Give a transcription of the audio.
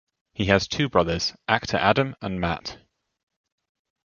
He has two brothers, actor Adam and Matt.